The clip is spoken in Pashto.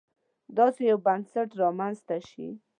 داسې یو بنسټ رامنځته شي.